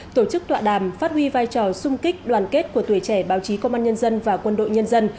tổ chức tọa đàm phát huy vai trò sung kích đoàn kết của tuổi trẻ báo chí công an nhân dân và quân đội nhân dân